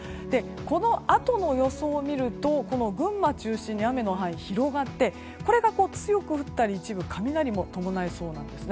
このあとの予想を見ると群馬を中心に雨の範囲が広がってこれが強く降ったり一部、雷も伴いそうなんです。